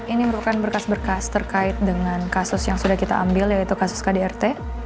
ini merupakan berkas berkas terkait dengan kasus yang sudah kita ambil yaitu kasus kdrt